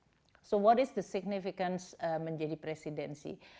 jadi apa artinya menjadi presidensi